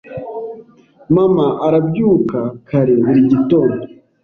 Mama arabyuka kare buri gitondo.